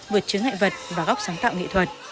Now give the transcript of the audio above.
vượt chứng hại vật và góc sáng tạo nghệ thuật